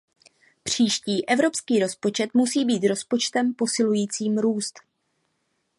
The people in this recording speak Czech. Příští evropský rozpočet musí být rozpočtem posilujícím růst.